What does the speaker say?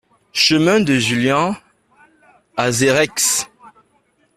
Chemin de Juillan, Azereix